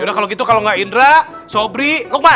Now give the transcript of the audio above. yaudah kalau gitu kalau nggak indra sobri lukman